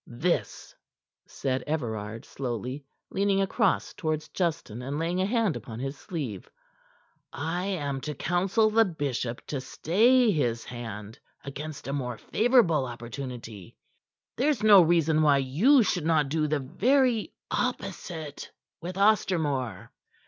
"This," said Everard slowly, leaning across toward Justin, and laying a hand upon his sleeve. "I am to counsel the Bishop to stay his hand against a more favorable opportunity. There is no reason why you should not do the very opposite with Ostermore."